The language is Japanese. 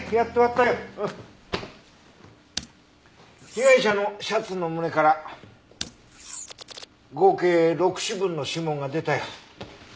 被害者のシャツの胸から合計６指分の指紋が出たよ。